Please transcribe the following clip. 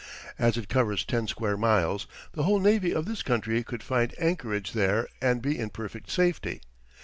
As it covers ten square miles, the whole navy of this country could find anchorage there, and be in perfect safety.